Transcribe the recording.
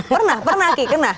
pernah pernah aki kena